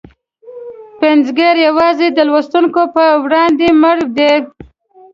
پنځګر یوازې د لوستونکي په وړاندې مړ دی.